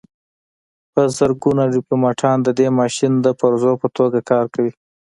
په زرګونو ډیپلوماتان د دې ماشین د پرزو په توګه کار کوي